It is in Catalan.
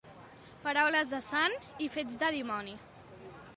Paraules de sant i fets de dimoni.